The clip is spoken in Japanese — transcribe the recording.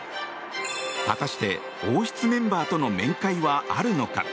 果たして王室メンバーとの面会はあるのか。